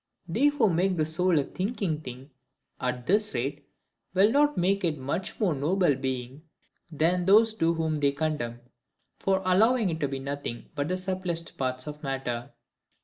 They who make the soul a thinking thing, at this rate, will not make it a much more noble being than those do whom they condemn, for allowing it to be nothing but the subtilist parts of matter.